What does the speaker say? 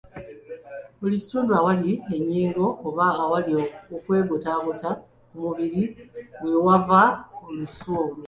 Buli kitundu awali ennyingo, oba awali okwegotaagota ku mubiri, weewava olusu olwo.